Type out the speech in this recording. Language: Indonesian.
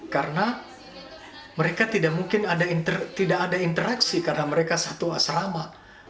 karena mereka tidak mungkin tidak ada interaksi karena mereka satu asrama